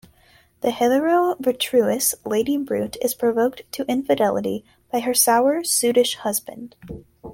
The hitherto virtuous Lady Brute is provoked to infidelity by her sour, sottish husband.